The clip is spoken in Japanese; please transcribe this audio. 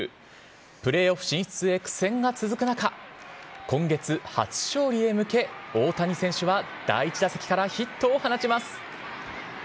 プレーオフ進出へ苦戦が続く中、今月初勝利へ向け、大谷選手は第１打席からヒットを放ちます。